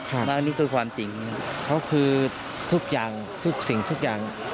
อันนี้คือความจริงเขาคือทุกอย่างทุกสิ่งทุกอย่าง